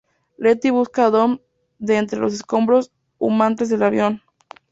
Letty busca a Dom de entre los escombros humeantes del avión.